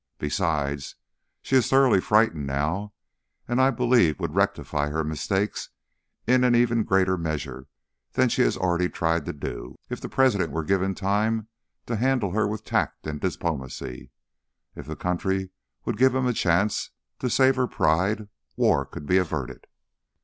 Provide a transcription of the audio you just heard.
Besides, she is thoroughly frightened now, and I believe would rectify her mistakes in an even greater measure than she has already tried to do, if the President were given time to handle her with tact and diplomacy. If the country would give him a chance to save her pride, war could be averted."